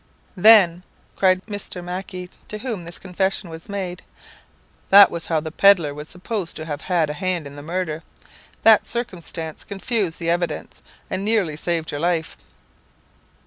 "Then," cried Mr. Mac ie, to whom this confession was made, "that was how the pedlar was supposed to have had a hand in the murder. That circumstance confused the evidence, and nearly saved your life."